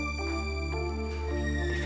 kamu istirahat ya